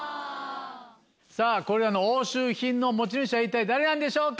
さぁこれらの押収品の持ち主は一体誰なんでしょうか。